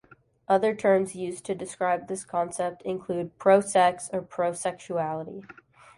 Other terms used to describe this concept include "pro-sex", or "pro-sexuality".